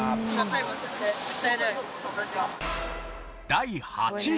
第８位。